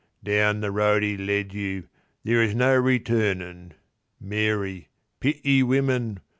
Down the road 'e led you there is no returnin'(Mary, pity women!)